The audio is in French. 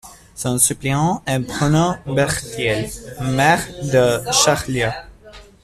Son suppléant est Bruno Berthelier, maire de Charlieu.